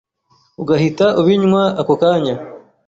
ugahita ubinywa ako kanya